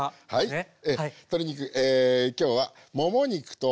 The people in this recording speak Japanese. はい。